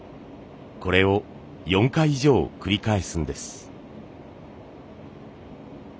これを４回以上繰り返すんです。